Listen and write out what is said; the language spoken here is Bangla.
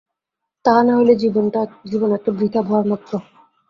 তাহা না হইলে জীবন একটা বৃথা ভারমাত্র।